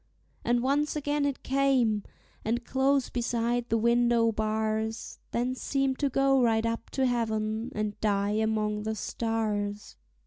And once again it came, and close beside the window bars; Then seemed to go right up to heaven and die among the stars.